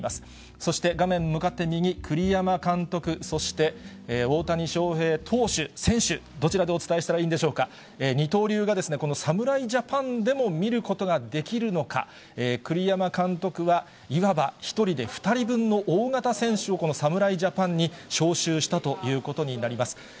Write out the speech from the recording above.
そして、画面向かって右、栗山監督、そして大谷翔平投手、選手、どちらでお伝えしたらいいんでしょうか、二刀流がこの侍ジャパンでも見ることができるのか、栗山監督は、いわば１人で２人分の大型選手をこの侍ジャパンに招集したということになります。